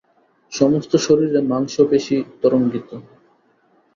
সমস্ত শরীরে মাংশপেশী তরঙ্গিত।